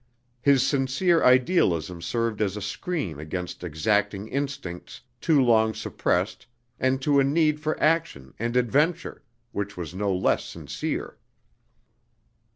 His sincere idealism served as a screen against exacting instincts too long suppressed and to a need for action and adventure, which was no less sincere.